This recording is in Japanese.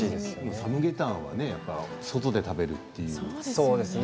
サムゲタンは外で食べるというね。